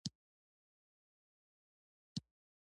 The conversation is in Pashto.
ټولنې له لومړنیو هڅو وروسته بېرته نابرابرۍ ته راګرځي.